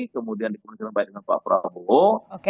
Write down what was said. kemudian dikomunikasi dengan pak prabowo